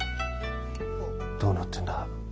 どうなってんだ。